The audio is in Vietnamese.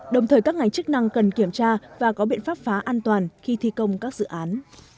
đồng thời các ngành chức năng cần kiểm tra và có biện pháp phá an toàn khi thi công các dự án